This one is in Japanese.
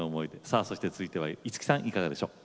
さあそして続いては五木さんいかがでしょう？